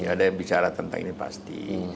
ada yang bicara tentang ini pasti